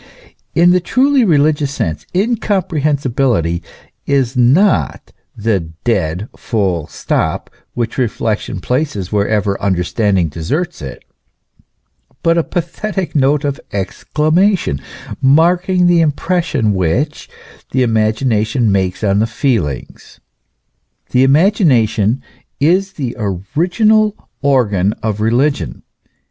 In the truly religious sense, incomprehensibility is not the dead full stop which reflection places wherever understanding deserts it, but a pathetic note of exclamation marking the im pression which the imagination makes on the feelings. The imagination is the original organ of religion.